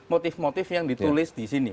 motif motif yang ditulis disini